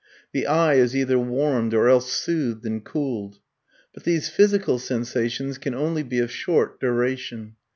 The eye is either warmed or else soothed and cooled. But these physical sensations can only be of short duration.